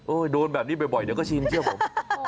โดนแบบนี้บ่อยเดี๋ยวก็ชินเชื่อผม